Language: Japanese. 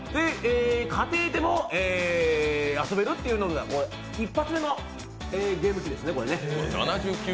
家庭でも遊べるっていう一発目のゲーム機ですね。